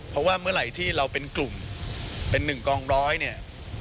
เพราะว่าเมื่อไหร่ที่เราเป็นกลุ่มเป็นหนึ่งกองร้อยเนี่ย